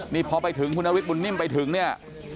นี่พอไปถึงคุณอาวิทย์ปุ่นนิ่มไปถึงเนี่ย